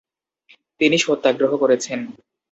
তিনি সত্যাগ্রহ করেছেন ।